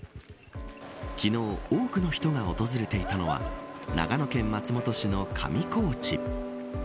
昨日、多くの人が訪れていたのは長野県松本市の上高地。